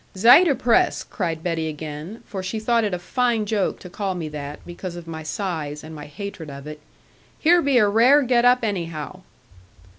'Zider press,' cried Betty again, for she thought it a fine joke to call me that, because of my size, and my hatred of it; 'here be a rare get up, anyhow.'